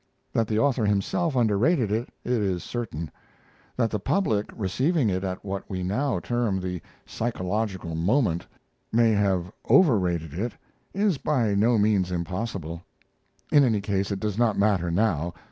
That the author himself underrated it is certain. That the public, receiving it at what we now term the psychological moment, may have overrated it is by no means impossible. In any case, it does not matter now.